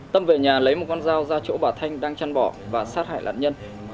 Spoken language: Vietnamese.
tâm về nhà lấy một con dao ra chỗ bà thanh đang chăn bỏ và sát hại nạn nhân